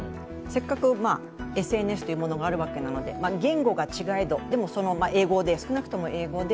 せっかくＳＮＳというものがあるわけなので、言語は違うといえども、でも少なくとも英語で、